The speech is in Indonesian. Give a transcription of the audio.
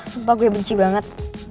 sumpah gue benci banget